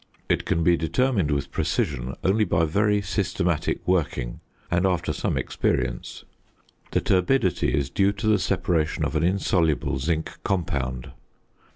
It can be determined with precision only by very systematic working and after some experience. The turbidity is due to the separation of an insoluble zinc compound.